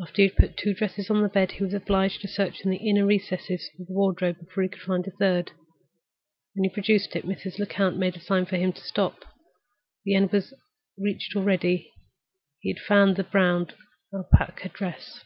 After he had put two dresses on the bed, he was obliged to search in the inner recesses of the wardrobe before he could find a third. When he produced it, Mrs. Lecount made a sign to him to stop. The end was reached already; he had found the brown Alpaca dress.